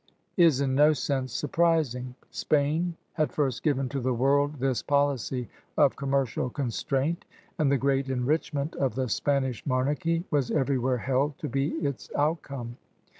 This is in no sense surprising. Spain had AGRICULTURE, INDUSTRY, AND TRADE 197 first given to the world this policy of commercial constraint and the great enrichment of the Spanish monardby was everywhere held to be its outcome.